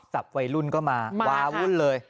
วัยรุ่นก็มาวาวุ่นเลย